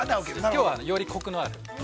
きょうは、よりコクのある。